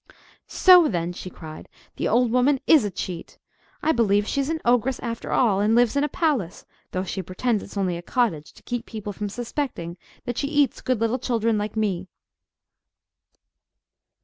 "So, then," she cried, "the old woman is a cheat! I believe she's an ogress, after all, and lives in a palace—though she pretends it's only a cottage, to keep people from suspecting that she eats good little children like me!"